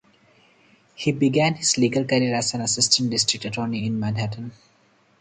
He began his legal career as an assistant district attorney in Manhattan.